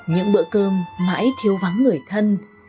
những bữa cơm mãi thiếu vắng người thân